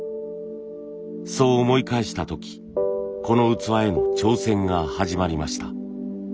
そう思い返した時この器への挑戦が始まりました。